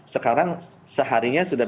sekarang seharinya sudah